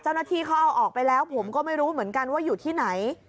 เจ้าหน้าที่เขาเอาออกไปแล้วผมก็ไม่รู้เหมือนกันว่าอยู่ที่ไหน